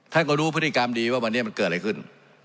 ท่านก็รู้พฤติกรรมดีว่าวันนี้มันเกิดอะไรขึ้น